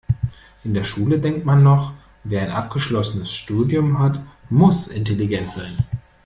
In der Schule denkt man noch, wer ein abgeschlossenes Studium hat, muss intelligent sein.